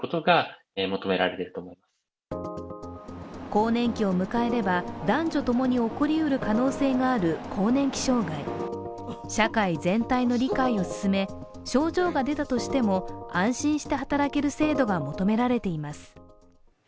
更年期を迎えれば、男女ともに起こりうる可能性がある更年期障害社会の全体の理解を進め、症状が出たとしても安心して働ける制度が求められています。